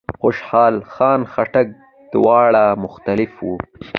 خوشحال خان خټک د دواړو مخالف و.